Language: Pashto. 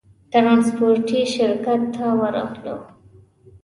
ترانسپورټي شرکت ته ورغلو.